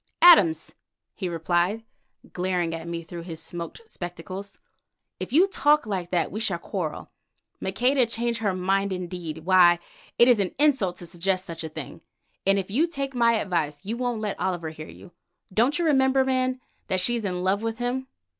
"Adams," he replied, glaring at me through his smoked spectacles, "If you talk like that we shall quarrel. Maqueda change her mind indeed! Why, it is an insult to suggest such a thing, and if you take my advice you won't let Oliver hear you. Don't you remember, man, that she's in love with him?"